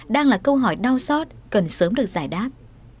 đang là câu hỏi đau xót cần sớm được giải đáp